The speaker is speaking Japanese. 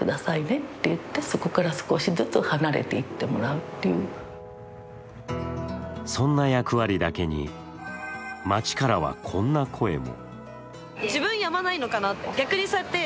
そして電話の終わりにはそんな役割だけに街からはこんな声も。